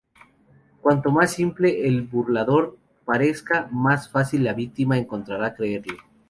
Cuanto más simple el burlador parezca, más fácil la víctima encontrará creerle.